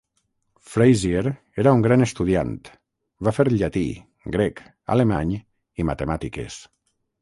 Frazier era un gran estudiant. Va fer llatí, grec, alemany i matemàtiques.